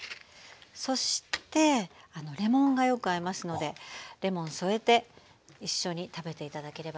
そしてレモンがよく合いますのでレモン添えて一緒に食べて頂ければと思います。